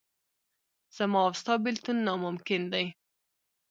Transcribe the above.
زما او ستا بېلتون ناممکن دی.